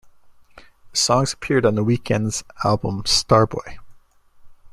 The songs appeared on The Weeknd's album "Starboy".